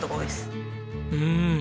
うん！